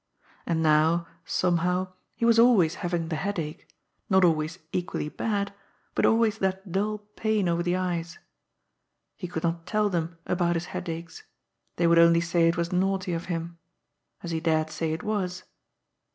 And now, somehow, he was always haying the headache, not always equally bad, but always that dull pain oyer the eyes. He could not tell them about his headaches. They would only say it was naughty of him. As he dared say it was.